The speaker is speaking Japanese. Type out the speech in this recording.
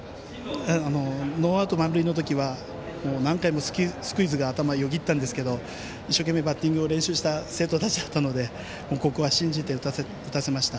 ノーアウト満塁の時は何回もスクイズが頭をよぎったんですけど一生懸命バッティングを練習した生徒たちだったのでここは信じて打たせました。